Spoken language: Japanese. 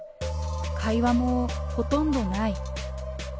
会話もほとんどない。